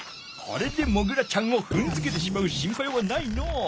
これでモグラちゃんをふんづけてしまう心配はないのう。